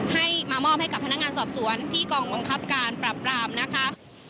ให้มามอบให้กับพนักงานสอบสวนที่กองบังคับการปรับปรามนะคะ